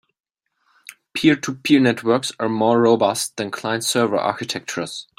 Peer-to-peer networks are more robust than client-server architectures.